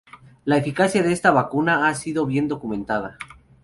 La eficacia de esta vacuna ha sido bien documentada.